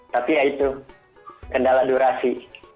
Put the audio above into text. tapi ya itu kendala durasi